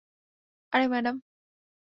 আরে, ম্যাডাম।